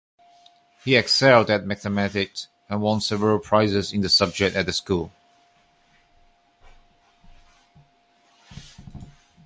He excelled at mathematics and won several prizes in the subject at the school.